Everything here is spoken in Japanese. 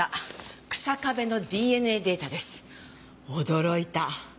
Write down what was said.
驚いた。